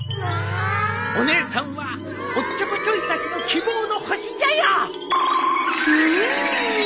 お姉さんはおっちょこちょいたちの希望の星じゃよ。